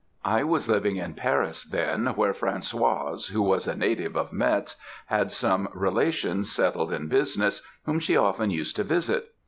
"I was living in Paris then, where Françoise, who was a native of Metz, had some relations settled in business, whom she often used to visit.